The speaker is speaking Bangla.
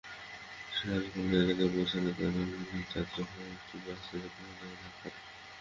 শিয়ালকোল এলাকায় পৌঁছালে তারাকান্দিগামী যাত্রীবাহী একটি বাস তাঁদের পেছন থেকে ধাক্কা দেয়।